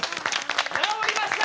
治りました！